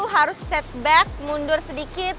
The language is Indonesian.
harus setback mundur sedikit